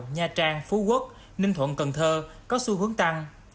nha trang phú quốc ninh thuận cần thơ có xu hướng tăng